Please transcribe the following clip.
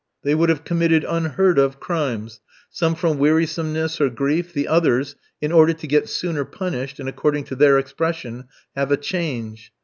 They would have committed unheard of crimes; some from wearisomeness or grief, the others, in order to get sooner punished, and, according to their expression, "have a change."